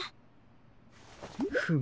フム。